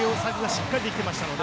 しっかり実行できていました。